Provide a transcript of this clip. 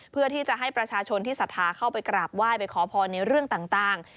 เพื่อที่จะให้ประชาชนที่สัทธาเข้าไปกราบไหว้ไปขอพรในเรื่องต่าง